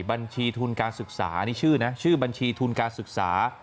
บัญชีทุนการศึกษานี่ชื่อนะชื่อบัญชีทุนการศึกษา